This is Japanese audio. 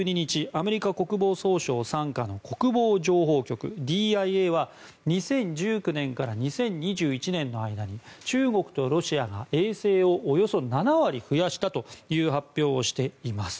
アメリカ国防総省傘下の国防情報局・ＤＩＡは２０１９年から２０２１年の間に中国とロシアが衛星をおよそ７割増やしたという発表をしています。